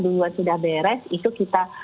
duluan sudah beres itu kita